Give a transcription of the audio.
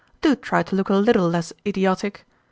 Do try to look a little less idiotic